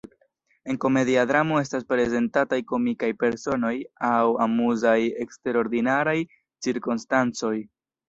En komedia dramo estas prezentataj komikaj personoj aŭ amuzaj eksterordinaraj cirkonstancoj.